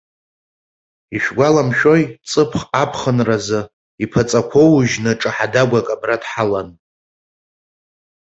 Ишәгәаламшәои, ҵыԥх аԥхынразы, иԥаҵақәа аужьны, ҿаҳа-дагәак абра дҳалан.